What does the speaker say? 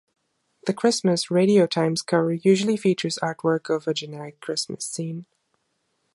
The Christmas "Radio Times" cover usually features artwork of a generic Christmas scene.